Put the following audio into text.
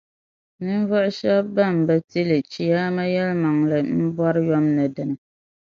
Ninvuɣu shεba ban bi ti li Chiyaama yεlimaŋli m-bɔri yom ni dina.